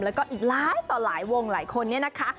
แล้วก็อีกหลายต่อหลายวงหลายคนเนี่ยนะคะ